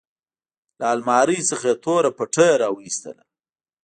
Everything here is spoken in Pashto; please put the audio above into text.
له المارۍ څخه يې توره پټۍ راوايستله.